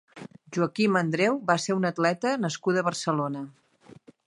Joaquima Andreu va ser una atleta nascuda a Barcelona.